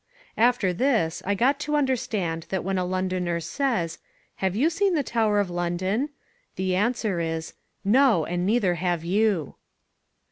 After this I got to understand that when a Londoner says, "Have you seen the Tower of London?" the answer is, "No, and neither have you."